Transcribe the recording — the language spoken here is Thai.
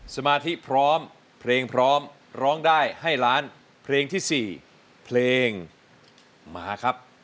สมาธิพร้อมเพลงพร้อมร้องได้ให้ล้านเพลงที่๔เพลงมาครับ